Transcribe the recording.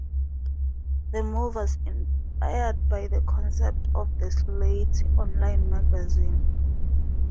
The move was inspired by the concept of the "Slate" online magazine.